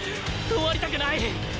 終わりたくない！